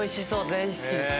大好きです。